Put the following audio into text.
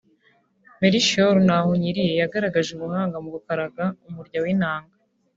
Melchior Ntahonkiriye yagaragaje ubuhanga mu gukaraga umurya w’inanga